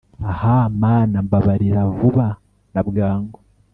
ah, mana, mbabarira - vuba na bwangu